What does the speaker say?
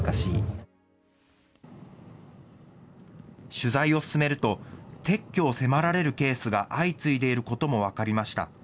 取材を進めると、撤去を迫られるケースが相次いでいることも分かりました。